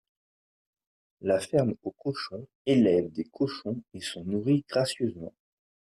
La ferme aux cochons élèvent des cochons et sont nourris gracieusement